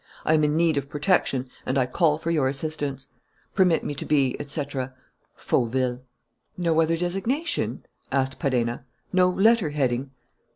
I am in need of protection and I call for your assistance. "Permit me to be, etc. FAUVILLE." "No other designation?" asked Perenna. "No letter heading?"